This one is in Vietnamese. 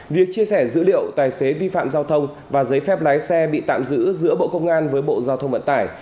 việc chia sẻ dữ liệu tài xế vi phạm giao thông và giấy phép lái xe bị tạm giữ giữa bộ công an với bộ giao thông vận tải